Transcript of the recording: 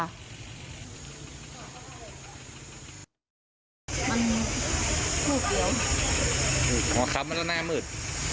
มันสูบเดียวอ๋อครับมันก็แน่มืด